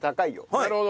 なるほど！